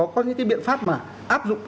có những cái biện pháp mà áp dụng